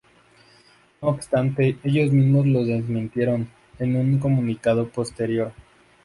No obstante, ellos mismos lo desmintieron en un comunicado posterior.